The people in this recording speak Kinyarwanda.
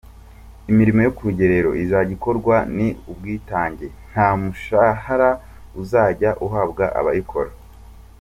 Imirimo yo ku rugerero izajya ikorwa, ni ubwitange nta mushahara uzajya uhabwa abayikora.